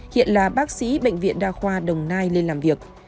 hiện là bác sĩ bệnh viện đa khoa đồng nai lên làm việc